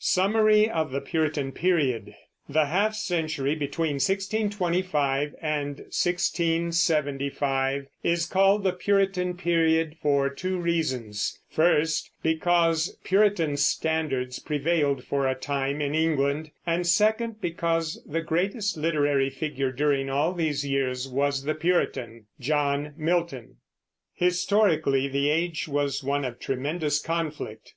SUMMARY OF THE PURITAN PERIOD. The half century between 1625 and 1675 is called the Puritan period for two reasons: first, because Puritan standards prevailed for a time in England; and second, because the greatest literary figure during all these years was the Puritan, John Milton. Historically the age was one of tremendous conflict.